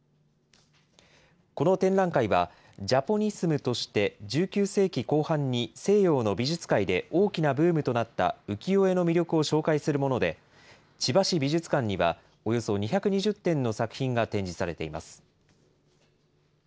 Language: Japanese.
この展覧会は、ジャポニスムとして１９世紀後半に西洋の美術界で大きなブームとなった浮世絵の魅力を紹介するもので、千葉市美術館には、およそ２２０点の作品が展示されています。